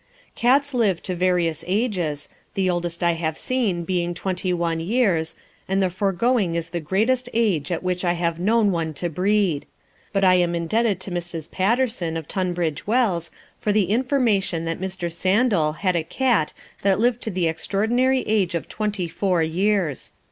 Cats live to various ages, the oldest I have seen being twenty one years, and the foregoing is the greatest age at which I have known one to breed. But I am indebted to Mrs. Paterson, of Tunbridge Wells, for the information that Mr. Sandal had a cat that lived to the extraordinary age of twenty four years.